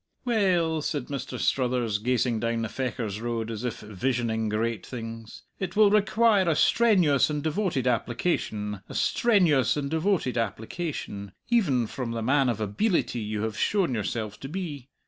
"We ell," said Mr. Struthers, gazing down the Fechars Road, as if visioning great things, "it will require a strenuous and devoted application a strenuous and devoted application even from the man of abeelity you have shown yourself to be.